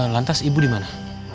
lantas ibu dimana